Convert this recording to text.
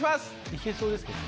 いけそうですけど。